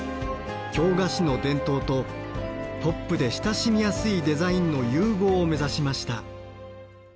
京菓子の伝統とポップで親しみやすいデザインの融合を目指しました。